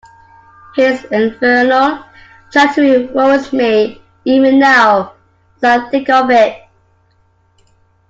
His infernal chattering worries me even now as I think of it.